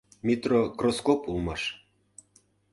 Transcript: Митрокроскоп улмаш!